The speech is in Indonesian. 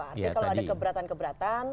artinya kalau ada keberatan keberatan